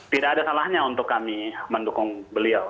tidak ada salahnya untuk kami mendukung beliau